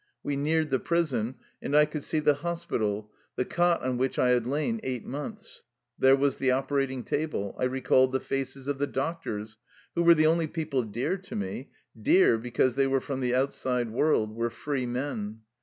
We neared the prison, and I could see the hospital, the cot on which I had lain eight months. There was the operating table. I recalled the faces of the doctors, who were the only people dear to me, dear be cause they were from the outside world, were free men.